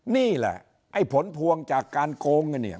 นี่แหละไอ้ผลพวงจากการโกงกันเนี่ย